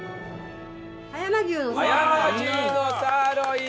葉山牛のサーロイン。